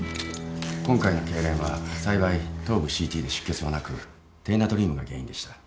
今回のけいれんは幸い頭部ＣＴで出血はなく低ナトリウムが原因でした。